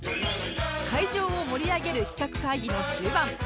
会場を盛り上げる企画会議の終盤 ＦＣ